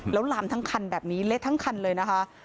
แล้วลามทั้งคันแบบนี้เละทั้งคันเลยนะคะ